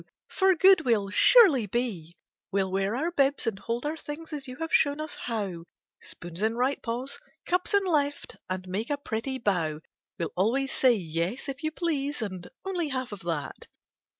for good we '11 surely be. We '11 wear our bibs and hold our things as you have shown us how: — Spoons in right paws, cups in left, — and make a pretty bow. We '11 always say, " Yes, if you please," and " Only half of that."